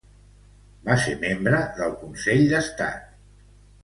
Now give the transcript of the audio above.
Va ser membre del consell d'estat.